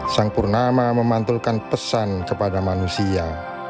sang purnama memantulkan pesan kepada manusia